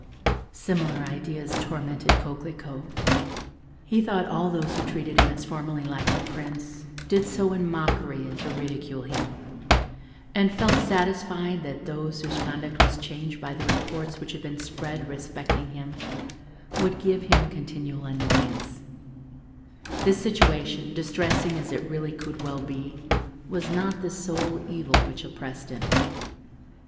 Similar ideas tormented Coquelicot. He thought all those who treated him, as formerly, like a prince, did so in mockery, and to ridicule him, and felt satisfied that those whose conduct was changed by the reports which had been spread respecting him would give him continual annoyance; this situation, distressing as it really could well be, was not the sole evil which oppressed him.